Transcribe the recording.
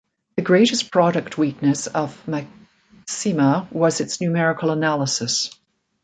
The greatest product weakness of Macsyma was its numerical analysis.